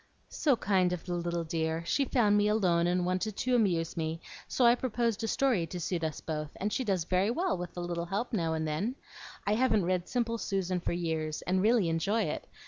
"So kind of the little dear! She found me alone and wanted to amuse me; so I proposed a story to suit us both, and she does very well with a little help now and then. I haven't read 'Simple Susan' for years, and really enjoy it.